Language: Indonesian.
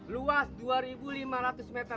luas dua lima ratus meter